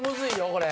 これ。